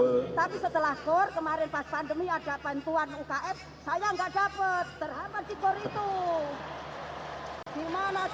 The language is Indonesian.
tapi setelah kor kemarin pas pandemi ada bantuan ukm saya nggak dapat